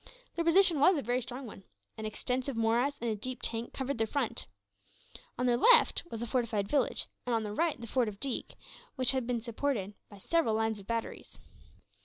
Their position was a very strong one. An extensive morass and a deep tank covered their front. On their left was a fortified village; and on their right the fort of Deeg, which was supported by several lines of batteries.